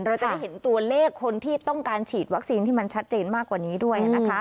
เราจะได้เห็นตัวเลขคนที่ต้องการฉีดวัคซีนที่มันชัดเจนมากกว่านี้ด้วยนะคะ